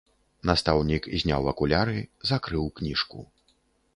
Настаўнік зняў акуляры, закрыў кніжку.